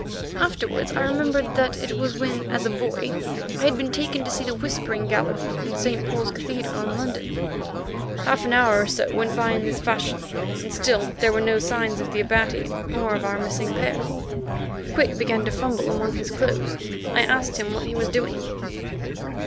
Afterwards I remembered that it was when, as a boy, I had been taken to see the Whispering Gallery in St. Paul's Cathedral in London. Half an hour or so went by in this fashion, and still there were no signs of the Abati or of our missing pair. Quick began to fumble among his clothes. I asked him what he was doing.